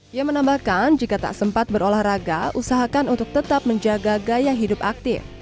ia menambahkan jika tak sempat berolahraga usahakan untuk tetap menjaga gaya hidup aktif